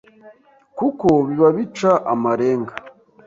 kuko biba bica amarenga